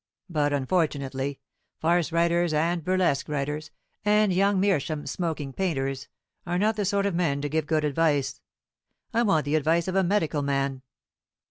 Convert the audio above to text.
But, unfortunately, farce writers and burlesque writers, and young meerschaum smoking painters, are not the sort of men to give good advice: I want the advice of a medical man."